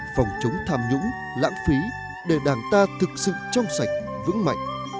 phòng chống tham nhũng lãng phí để đảng ta thực sự trong sạch vững mạnh